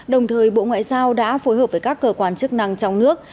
đồng thời bộ ngoại giao đã phối hợp với các cơ quan chức năng trong nước